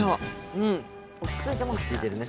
うん落ち着いてますね。